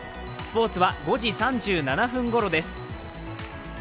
スポーツは５時３７分ごろです。